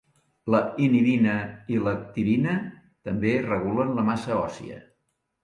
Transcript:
La inhibina i les activina també regulen la massa òssia.